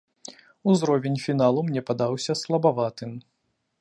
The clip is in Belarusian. Узровень фіналу мне падаўся слабаватым.